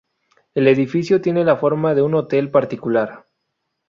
El edificio tiene la forma de un hôtel particular.